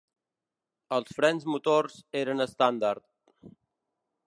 Els frens motors eren estàndard.